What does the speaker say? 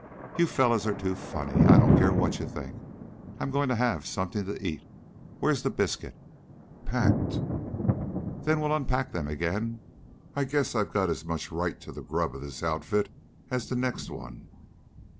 "You fellows are too funny! I don't care what you think. I'm going to have something to eat. Where's the biscuit?" "Packed." "Then we'll unpack them again. I guess I've got as much right to the grub of this outfit as the next one."